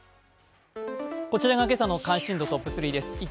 こちらが今朝の関心度トップ３です。